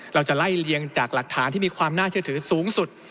เราจะไล่เลียงจากหลักฐานที่มีความน่าเชื่อถือสูงสุด